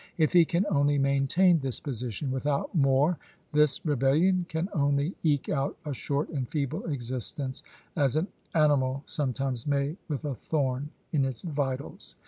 If he can only maintain this to^nLffik, position, without more, this rebellion can only eke isfs!^ w.^'k. out a short and feeble existence, as an animal some pai t i., " times may with a thorn in its vitals."